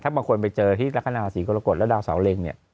บางคนไปเจอที่ลักษณะราศีกรกฎแล้วดาวเสาเล็งเนี่ย